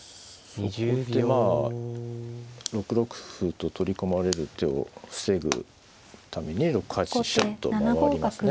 そこでまあ６六歩と取り込まれる手を防ぐために６八飛車と回りますね